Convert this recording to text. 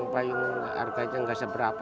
payung harganya tidak seberapa